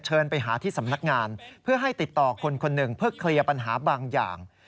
ไปหาที่สำนักงานเพื่อให้ติดต่อคนคนหนึ่งเพื่อเคลียร์ปัญหาบางอย่าง